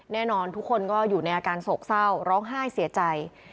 แน่นอนทุกคนก็อยู่ในอาการโศกเศร้าร้องไห้เสียใจ